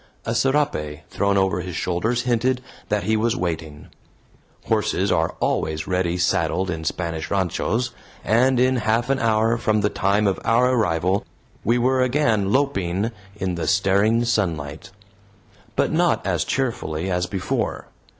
A serape thrown over his shoulders hinted that he was waiting. Horses are always ready saddled in Spanish ranchos, and in half an hour from the time of our arrival we were again "loping" in the staring sunlight. But not as cheerfully as before.